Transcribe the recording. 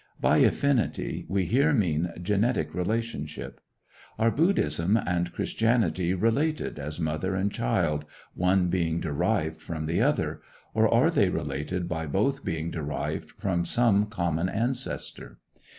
By affinity we here mean genetic relationship. Are Buddhism and Christianity related as mother and child, one being derived from the other; or are they related by both being derived from some common ancestor?